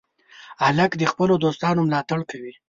هلک د خپلو دوستانو ملاتړ کوي.